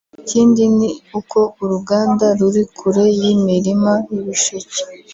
Ikindi ni uko uruganda ruri kure y’imirima y’ibisheke